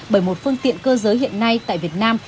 bởi một phương tiện cơ giới hiện nay tại việt nam